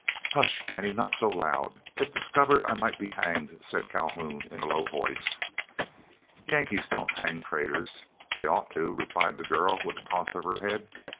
"Hush, Jennie, not so loud. If discovered, I might be hanged," said Calhoun, in a low voice. "Yankees don't hang traitors; they ought to," replied the girl, with a toss of her head.